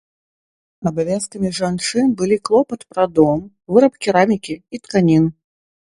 Абавязкамі жанчын былі клопат пра дом, выраб керамікі і тканін.